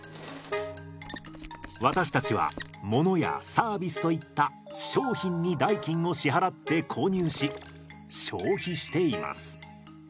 私たちはものやサービスといった商品に代金を支払って購入し消費しています。